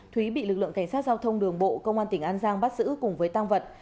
thúy bị lực lượng cảnh sát giao thông đường bộ công an tỉnh an giang bắt giữ cùng với tăng vật